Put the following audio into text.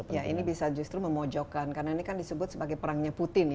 ya ini bisa justru memojokkan karena ini kan disebut sebagai perangnya putin ya